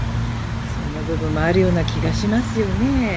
そんな部分もあるような気がしますよね。